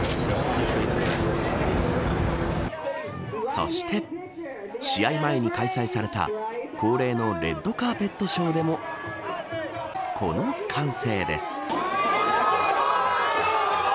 そして試合前に開催された恒例のレッドカーペットショーでもこの歓声です。